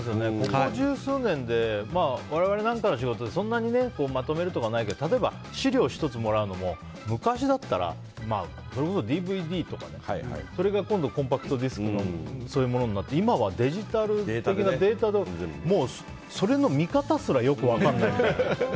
ここ十数年で我々なんかの仕事だとそんなにまとめるとかないけど例えば、資料１つもらうのも昔だったらそれこそＤＶＤとかでそれが今度コンパクトディスクとかになってそういうものになって今はデジタル的なデータで、それの見方すらよく分からないもん。